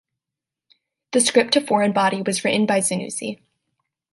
The script to "Foreign Body" was written by Zanussi.